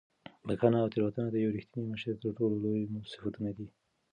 بښنه او تېرېدنه د یو رښتیني مشر تر ټولو لوی صفتونه دي.